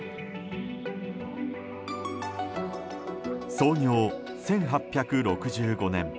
創業１８６５年。